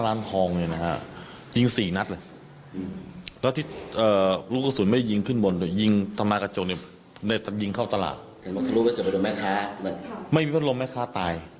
ไม่มีวิธีรมแม่ค้าตาย